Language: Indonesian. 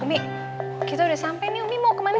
umi kita udah sampe nih umi mau kemana